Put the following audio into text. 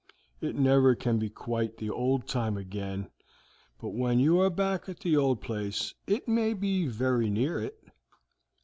"It never can be quite the old time again, but when you are back at the old place it may be very near it."